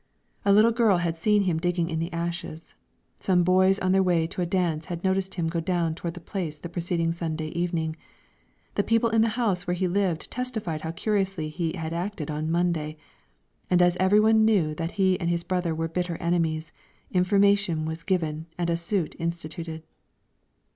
A little girl had seen him digging in the ashes, some boys on their way to a dance had noticed him going down toward the place the preceding Sunday evening; the people in the house where he lived testified how curiously he had acted on Monday, and as every one knew that he and his brother were bitter enemies, information was given and a suit instituted.